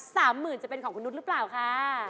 สามหมื่นจะเป็นของคุณนุษย์หรือเปล่าค่ะ